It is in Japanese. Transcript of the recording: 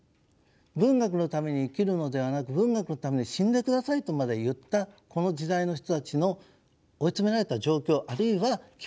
文学のために生きるのではなく「文学のために死んで下さい」とまで言ったこの時代の人たちの追い詰められた状況あるいは気持ちというものをですね